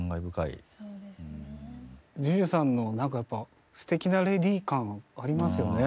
ＪＵＪＵさんのなんかやっぱ素敵なレディ感ありますよね。